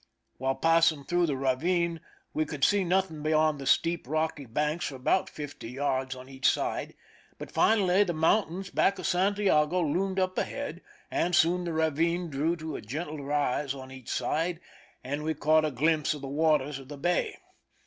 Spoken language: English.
While passing through the ravine we could see nothing beyond the steep, rocky banks for about fifty yards on each side ; but finally the mountains back of Santiago loomed up ahead, and soon the ravine drew to a gentle rise on each side, and we caught a glimpse of the waters of the bay.